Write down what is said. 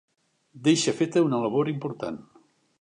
Deixa feta una labor important.